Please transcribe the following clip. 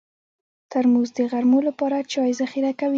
ترموز د غرمو لپاره چای ذخیره کوي.